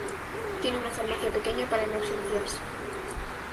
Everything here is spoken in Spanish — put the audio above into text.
Tiene una farmacia pequeña para emergencias.